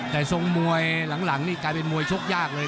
แต่ทรงมวยหลังนี่กลายเป็นมวยชกยากเลย